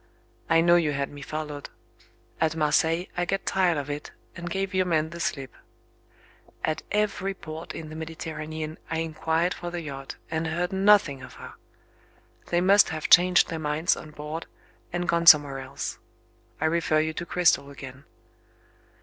"I know you had me followed. At Marseilles, I got tired of it, and gave your men the slip. At every port in the Mediterranean I inquired for the yacht, and heard nothing of her. They must have changed their minds on board, and gone somewhere else. I refer you to Cristel again.